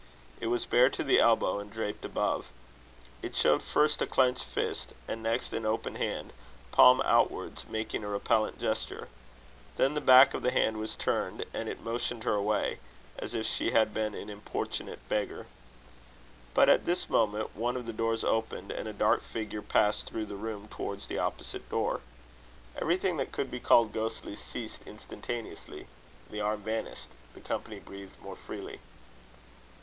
It was bare to the elbow, and draped above. It showed first a clenched fist, and next an open hand, palm outwards, making a repellent gesture. Then the back of the hand was turned, and it motioned her away, as if she had been an importunate beggar. But at this moment, one of the doors opened, and a dark figure passed through the room towards the opposite door. Everything that could be called ghostly, ceased instantaneously. The arm vanished. The company breathed more freely.